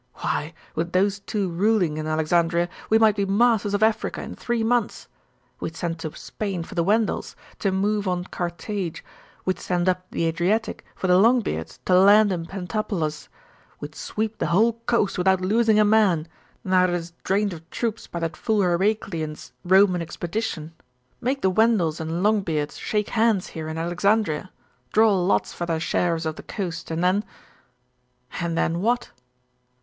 Why, with those two ruling in Alexandria, we might be masters of Africa in three months. We'd send to Spain for the Wendels, to move on Carthage; we'd send up the Adriatic for the Longbeards to land in Pentapolis; we'd sweep the whole coast without losing a man' now it is drained of troops by that fool Heraclian's Roman expedition; make the Wendels and Longbeards shake hands here in Alexandria; draw lots for their shares of the coast' and then ' 'And then what?